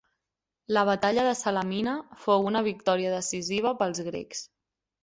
La Batalla de Salamina fou una victòria decisiva per als grecs.